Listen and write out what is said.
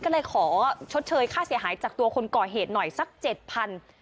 ก็เลยขอชดเชยค่าเสียหายจากตัวคนก่อเหตุหน่อยสักเจ็ดพัน